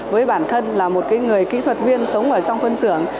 với bản thân là một người kỹ thuật viên sống ở trong quân xưởng